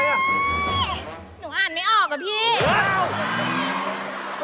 หนูอ่านไม่ออกอ่ะพี่ว้าว